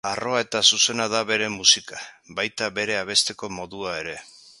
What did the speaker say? Harroa eta zuzena da bere musika, baita bere abesteko modua ere.